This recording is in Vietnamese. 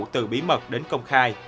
từ bí mật đến công khai